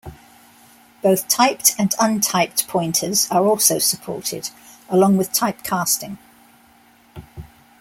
Both typed and untyped pointers are also supported, along with typecasting.